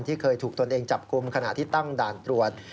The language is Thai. เคยถูกตนเองจับกลุ่มขณะที่ตั้งด่านตรวจ